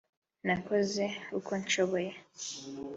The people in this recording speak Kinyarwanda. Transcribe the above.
nakoze uko nshoboye